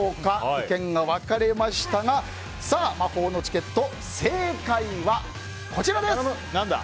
意見が分かれましたが魔法のチケット正解は、こちら！